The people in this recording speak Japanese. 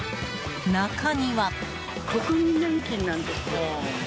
中には。